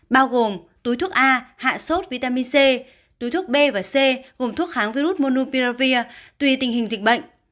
bao gồm túi thuốc a hạ sốt vitamin c túi thuốc b và c gồm thuốc kháng virus monumiravir tùy tình hình dịch bệnh